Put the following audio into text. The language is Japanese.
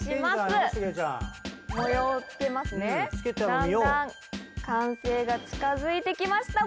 だんだん完成が近づいて来ました。